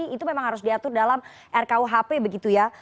itu memang harus diatur dalam rkuhp begitu ya